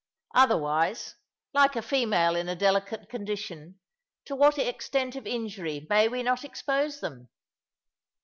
Otherwise, like a female in a delicate condition, to what extent of injury may we not expose them?